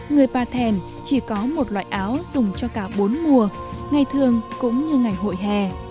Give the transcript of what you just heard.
người pa thèn chỉ có một loại áo dùng cho cả bốn mùa ngày thường cũng như ngày hội hè